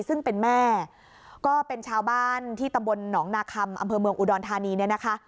ซึ่งเป็นแม่ก็เป็นชาวบ้านที่ตำบลหนองนาคัมอำเภอเมืองอุดรธานีเนี่ยนะคะ